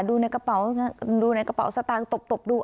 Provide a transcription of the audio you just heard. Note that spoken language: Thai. ดูในกระเป๋าสตางค์ตบดู